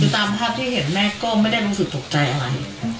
ตามภาพที่เห็นแม่ก็ไม่ได้รู้สึกตกใจอะไร